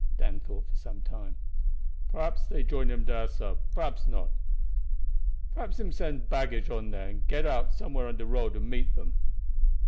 Dan thought for some time. "Perhaps dey join him dar, sah, perhaps not; perhaps him send him baggage on there and get out somewhere on de road and meet them."